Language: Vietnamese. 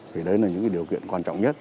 vì đấy là những điều kiện quan trọng nhất